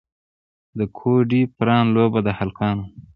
د ګوډي پران لوبه د هلکانو ده.